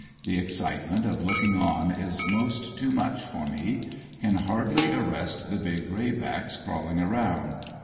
The excitement of looking on is most too much for me. Can hardly arrest the big graybacks crawling around.